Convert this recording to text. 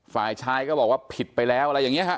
ฝ่ายชายก็บอกว่าผิดไปแล้วอะไรอย่างนี้ฮะ